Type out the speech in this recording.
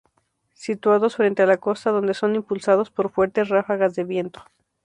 Situados frente a la costa donde son impulsados por fuertes ráfagas de viento.